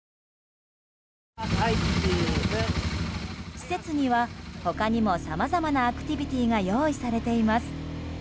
施設には、他にもさまざまなアクティビティーが用意されています。